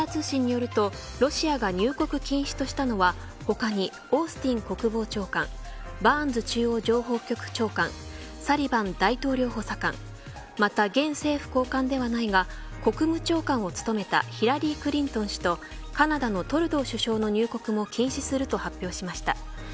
ロシアが入国禁止としたのは他にオースティン国防長官バーンズ中央情報局長官サリバン大統領補佐官また現政府高官ではないが国務長官を務めたヒラリー・クリントン氏とカナダのトルドー首相の入国も禁止すると発表しました。